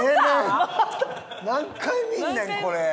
何回見んねんこれ。